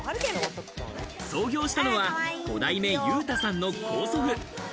創業したのは５代目祐太さんの高祖父。